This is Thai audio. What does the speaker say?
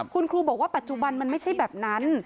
คุณครูบอกว่าปัจจุบันมันไม่ใช่แบบนั้น